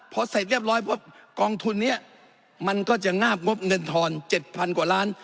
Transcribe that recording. พอเสร็จเรียบร้อยปุ๊บกองทุนนี้มันก็จะงาบงบเงินทอน๗๐๐กว่าล้าน